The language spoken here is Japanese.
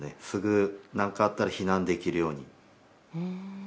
すぐ、何かあったら避難できるように。